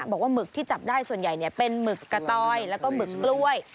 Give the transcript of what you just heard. บอกว่าหมึกที่จับได้ส่วนใหญ่เนี่ยเป็นหมึกกะต้อยแล้วก็หมึกปล้วย